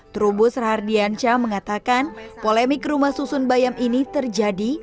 kusra hardianca mengatakan polemik rumah susun bayam ini terjadi